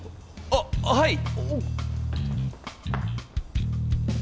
あっはい。